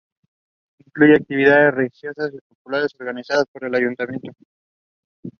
Toronto went on to win the Soccer Bowl.